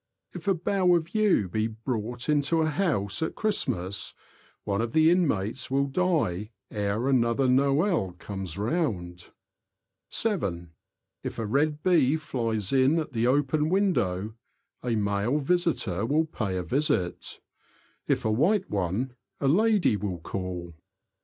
If a bough of yew be brought into a house at Christmas, one of the inmates will die ere another Noel comes round. (7.) If a red bee flies in at the open window, a male visitor will pay a visit; if a white one, a lady will call.